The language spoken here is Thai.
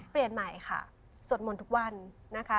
เปลี่ยนใหม่ค่ะสวดมนต์ทุกวันนะคะ